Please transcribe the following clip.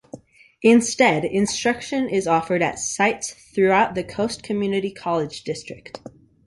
Instead, instruction is offered at sites throughout the Coast Community College District.